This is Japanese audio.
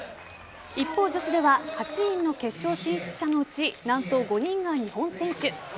一方、女子では８人の決勝進出者のうち何と５人が日本選手。